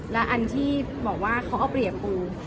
และอันที่บอกว่าเขาเอาเปลี่ยงกับกู